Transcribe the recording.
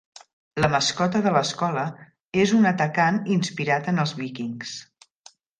La mascota de l'escola és un "atacant" inspirat en els víkings.